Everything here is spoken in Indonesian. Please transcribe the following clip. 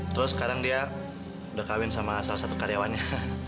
terus sekarang dia udah kawin sama salah satu karyawannya